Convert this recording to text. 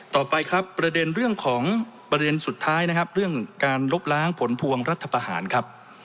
ต่อไปครับประเด็นเรื่องของประเด็นสุดท้ายนะครับเรื่องการลบล้างผลพวงรัฐประหารครับ